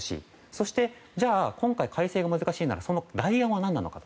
そして、今回改正が難しいならその代案は何なのか。